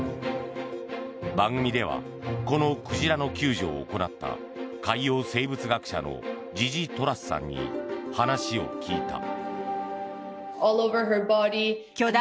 番組ではこの鯨の救助を行った海洋生物学者のジジ・トラスさんに話を聞いた。